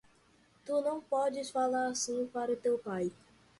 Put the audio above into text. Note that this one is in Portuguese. Tu não podes falar assim para o teu pai!